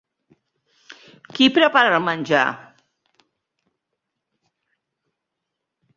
Qui prepara el menjar?